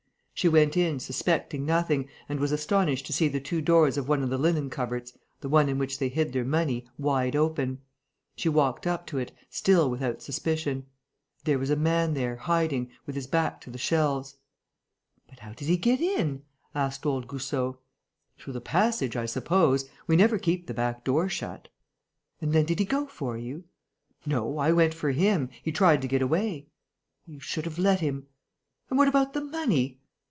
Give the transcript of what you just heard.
She went in, suspecting nothing, and was astonished to see the two doors of one of the linen cupboards, the one in which they hid their money, wide open. She walked up to it, still without suspicion. There was a man there, hiding, with his back to the shelves. "But how did he get in?" asked old Goussot. "Through the passage, I suppose. We never keep the back door shut." "And then did he go for you?" "No, I went for him. He tried to get away." "You should have let him." "And what about the money?"